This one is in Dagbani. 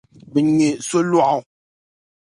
Bɛ ŋme solɔɣu.